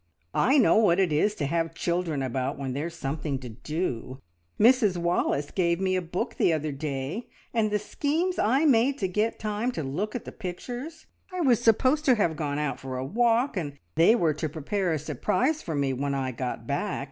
"I know what it is to have children about when there's something to do. Mrs Wallace gave me a book the other day, and the schemes I made to get time to look at the pictures! I was supposed to have gone out for a walk, and they were to prepare a surprise for me when I got back.